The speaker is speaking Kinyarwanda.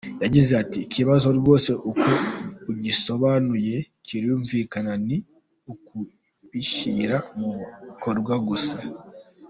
Yagize ati “Ikibazo rwose uko ugisobanuye kirumvikana ni ukubishyira mu bikorwa gusa.